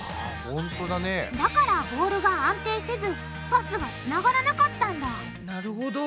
だからボールが安定せずパスがつながらなかったんだなるほど。